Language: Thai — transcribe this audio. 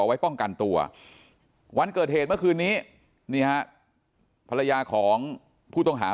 ไว้ป้องกันตัววันเกิดเหตุเมื่อคืนนี้นี่ฮะภรรยาของผู้ต้องหา